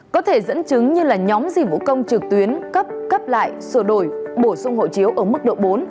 có thể dẫn chứng như là nhóm dịch vụ công trực tuyến cấp cấp lại sửa đổi bổ sung hộ chiếu ở mức độ bốn